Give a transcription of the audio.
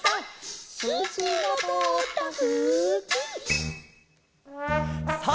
「すじのとおったふき」さあ